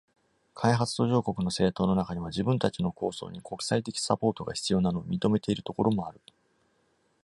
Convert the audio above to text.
開発途上国の政党の中には自分たちの構想に国際的サポートが必要なのを認めているところもある。